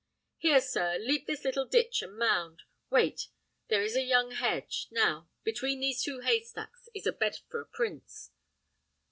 "Here, sir, leap this little ditch and mound. Wait! there is a young hedge: now, between these two hay stacks is a bed for a prince.